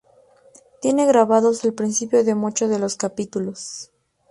Tiene grabados al principio de muchos de los capítulos.